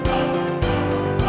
adi ya atasnya